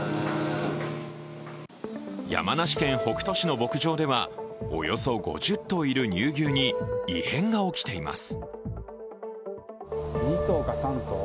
山梨県北杜市の牧場ではおよそ５０頭いる乳牛に異変が起きています。